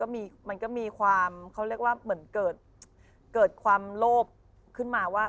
มันก็มีความเขาเรียกว่าเหมือนเกิดความโลภขึ้นมาว่า